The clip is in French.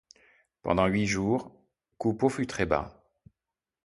Pendant huit jours, Coupeau fut très-bas.